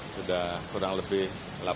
sudah kurang lebih